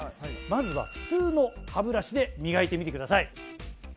まずは普通の歯ブラシで磨いてみてください。